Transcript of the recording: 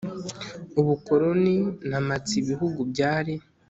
ubukoroni na mpatse ibihugu byari